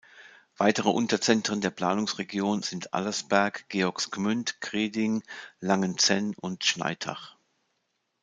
Weitere Unterzentren der Planungsregion sind Allersberg, Georgensgmünd, Greding, Langenzenn und Schnaittach.